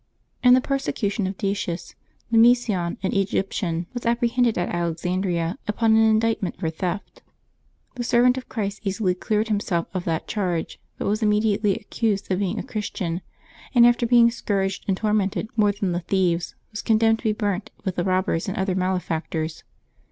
IN the persecution of Decius, Nemesion, an Egyptian, was apprehended at Alexandria upon an indictment for theft. The servant of Christ easily cleared himself of that charge, but was immediately accused of being a Chris tian, and after being scourged and tormented more than the thieves, was condemned to be burnt with the robbers and other malefactors.